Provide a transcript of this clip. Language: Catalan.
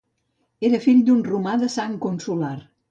Era fill d'un romà de rang consular.